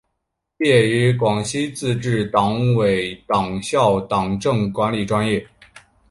毕业于广西自治区党委党校党政管理专业。